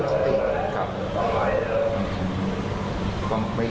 ก็ต้องหลักสภาพแต่แจ้งพอละกอดก็ต้องหลักสภาพ